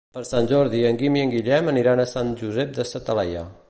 Per Sant Jordi en Guim i en Guillem aniran a Sant Josep de sa Talaia.